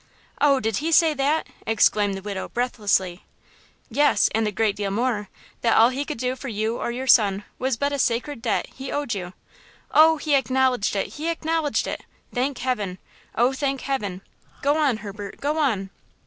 "Oh, did he say that?" exclaimed the widow, breathlessly. "Yes, and a great deal more–that all that he could do for you or your son was but a sacred debt he owed you." "Oh, he acknowledged it–he acknowledged it! Thank Heaven! oh, thank Heaven! Go on, Herbert; go on."